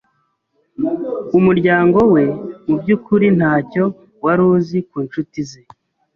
Umuryango we, mubyukuri, ntacyo wari uzi ku nshuti ze.